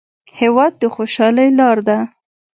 هېواد د خوشحالۍ لار ده.